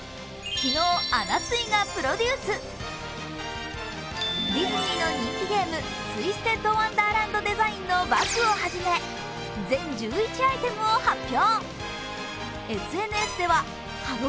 昨日、ＡＮＮＡＳＵＩがプロデュースディズニーの人気ゲーム「ツイステッドワンダーランド」デザインのバッグをはじめ、全１１アイテムを発表。